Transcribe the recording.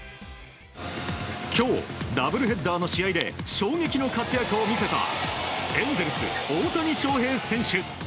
今日、ダブルヘッダーの試合で衝撃の活躍を見せたエンゼルス、大谷翔平選手。